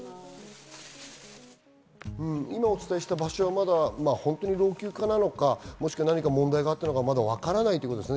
今お伝えした場所はまだ老朽化なのか、もしくは何か問題があったのかは分からないということです。